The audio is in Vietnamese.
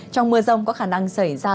trong mưa rông có khả năng xảy ra